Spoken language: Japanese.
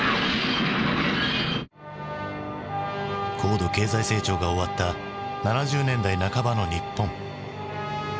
高度経済成長が終わった７０年代半ばの日本。